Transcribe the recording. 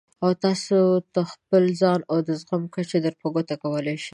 او تاسې ته خپل ځان او د زغم کچه در په ګوته کولای شي.